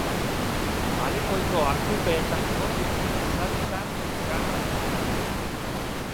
Malekoiko arkupeetan egoten ziren sarritan txarra zenean.